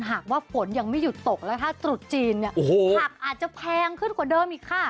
หากว่าฝนยังไม่หยุดตกแล้วถ้าตรุษจีนเนี่ยผักอาจจะแพงขึ้นกว่าเดิมอีกค่ะ